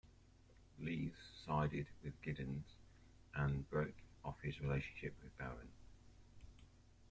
Leese sided with Gittens and broke off his relationship with Baron.